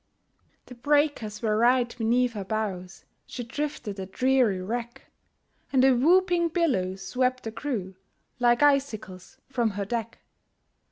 The breakers were right beneath her bows, She drifted a dreary wreck, And a whooping billow swept the crew Like icicles from her deck.